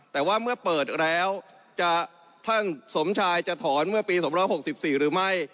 แต่ว่าเมื่อเปิดแล้วท่านสมชายจะถอนเมื่อปี๒๖๔หรือไม่